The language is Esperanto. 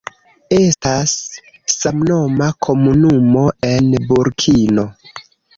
Estas samnoma komunumo en Burkino.